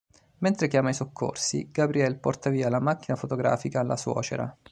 Mentre chiama i soccorsi, Gabrielle porta via la macchina fotografica alla suocera.